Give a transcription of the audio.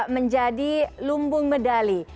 menjadi lumbung medali